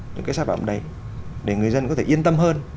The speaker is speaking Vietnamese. những cái sai phạm đấy để người dân có thể yên tâm hơn